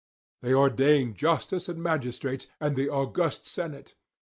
They ordain justice and magistrates, and the august senate.